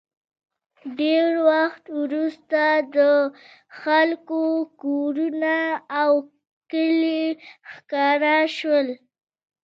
ډېر وخت وروسته د خلکو کورونه او کلي ښکاره شول